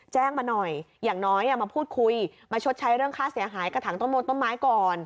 แจ้งมาหน่อยอย่างน้อยมาพูดคุยมาชดใช้เรื่องค่าเสียหายกระถังต้นโมต้นไม้ก่อน